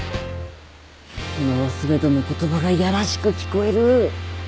今は全ての言葉がいやらしく聞こえる。